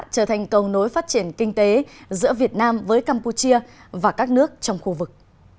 trở thành cầu nối phát triển kinh tế giữa việt nam với campuchia và các nước trong khu vực